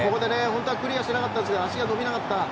本当はクリアしたかったけど足が伸びなかった。